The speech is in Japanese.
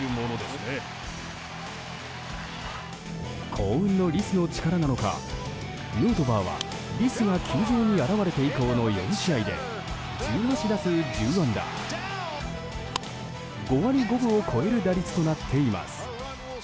幸運のリスの力なのかヌートバーは、リスが球場に現れて以降の４試合で１８打数１０安打５割５分を超える打率となっています。